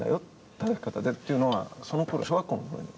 たたき方でっていうのはそのころ小学校の頃に。